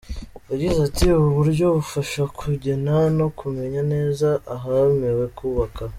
Yagize ati “Ubu buryo bufasha kugena no kumenya neza ahemewe kubaka.